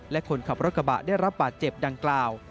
และคนขับรถกระบะได้รับบาดเจ็บดังกล่าว